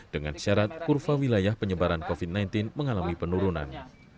dengan syarat kurva wilayah penyebaran covid sembilan belas mengalami penurunan